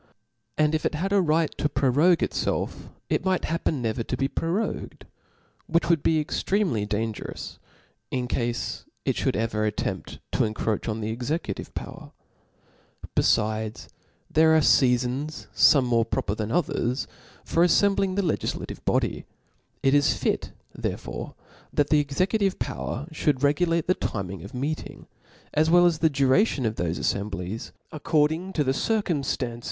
And if it had a right to prorogue itfclf, it might happen ncv^r to be prorogued , which would be extremely dan gerous, in cafe it fliould ever attempt to incroach on the executive power. Befides there arefcafons, fome more proper than others, for aflcmbling the legiflative body : it is fit therefore that the exe cutive power (hould regulate the time of meeting, as well as the duration of thofe aflcmblies, accord ing to the circutnftancc?